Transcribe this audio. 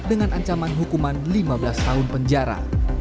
dengan ancaman hukuman lima belas tahun penjara